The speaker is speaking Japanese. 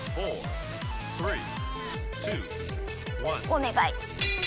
お願い。